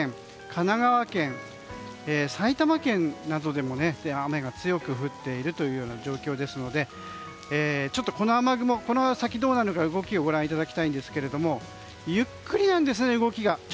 神奈川県埼玉県などでも雨が強く降っている状況ですのでこの雨雲、この先どうなるか動きをご覧いただきたいんですがゆっくりなんですね、動きが。